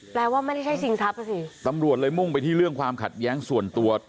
แปลว่าไม่ใช่ชิงทรัพย์อ่ะสิตำรวจเลยมุ่งไปที่เรื่องความขัดแย้งส่วนตัว